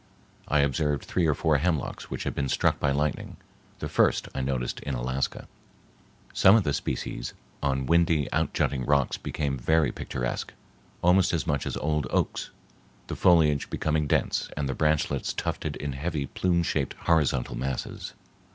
I observed three or four hemlocks which had been struck by lightning,—the first I noticed in Alaska. Some of the species on windy outjutting rocks become very picturesque, almost as much so as old oaks, the foliage becoming dense and the branchlets tufted in heavy plume shaped horizontal masses.